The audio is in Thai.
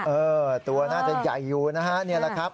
เออตัวน่าจะใหญ่อยู่นะฮะนี่แหละครับ